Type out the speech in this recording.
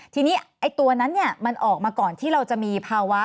ทีนี้ไอ้ตัวนั้นมันออกมาก่อนที่เราจะมีภาวะ